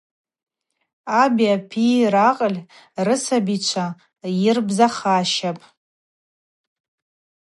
Аби апи ракъыль рысабичва йырбзахащапӏ.